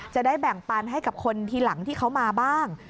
จะได้แบ่งปันให้กับคนทีหลังที่เขามาบ้าง